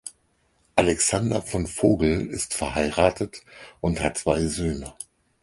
Alexander von Vogel ist verheiratet und hat zwei Söhne.